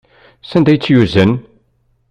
Sanda ay tt-yuzen?